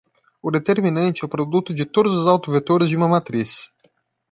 O determinante é o produto de todos os autovetores de uma matriz.